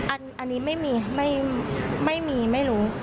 อันนี้ไม่มีไม่รู้